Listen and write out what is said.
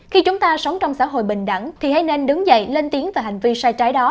khi chúng ta sống trong xã hội bình đẳng thì hay nên đứng dậy lên tiếng về hành vi sai trái đó